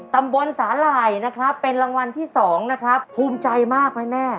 ตำบลสาหร่ายนะครับเป็นรางวัลที่๒นะครับภูมิใจมากไหมแม่